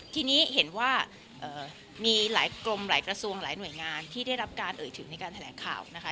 ทีนี้เห็นว่ามีหลายกรมหลายกระทรวงหลายหน่วยงานที่ได้รับการเอ่ยถึงในการแถลงข่าวนะคะ